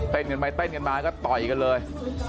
เต้นกันมาก็ต่อยกันเลย